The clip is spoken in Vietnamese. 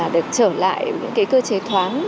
được trở lại cơ chế thoáng